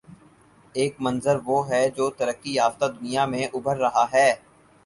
ایک منظروہ ہے جو ترقی یافتہ دنیا میں ابھر رہا ہے۔